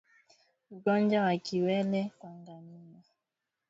Ugonjwa wa kiwele kwa ngamia